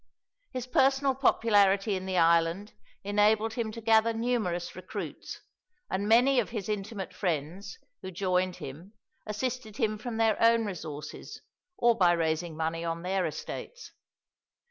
His personal popularity in the island enabled him to gather numerous recruits, and many of his intimate friends, who joined him, assisted him from their own resources or by raising money on their estates.